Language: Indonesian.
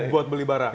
buat beli barang